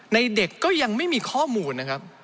เด็กก็ยังไม่มีข้อมูลนะครับ